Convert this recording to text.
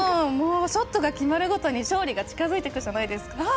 ショットが決まるごとに勝利が近づいてくるじゃないですか。